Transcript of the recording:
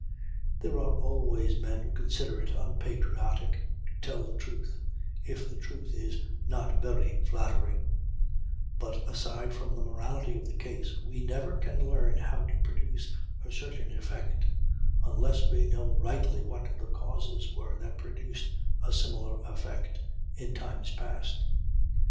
There are always men who consider it unpatriotic to tell the truth, if the truth is not very flattering; but, aside from the morality of the case, we never can learn how to produce a certain effect unless we know rightly what the causes were that produced a similar effect in times past.